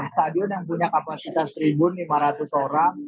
stadion yang punya kapasitas satu lima ratus orang